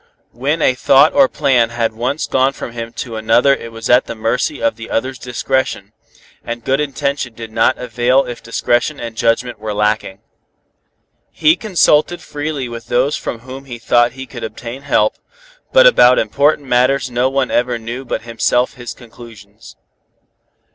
When a thought or plan had once gone from him to another it was at the mercy of the other's discretion, and good intention did not avail if discretion and judgment were lacking. He consulted freely with those from whom he thought he could obtain help, but about important matters no one ever knew but himself his conclusions.